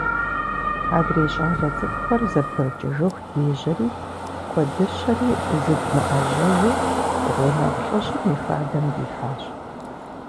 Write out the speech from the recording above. Адрей щӀалэ цӀыкӀухэр зэбгрыкӀыжыху дежьэри, куэдыщэри зыдмыӀэжьэжу, гъунэгъу лӏыжьым и хадэм дихьащ.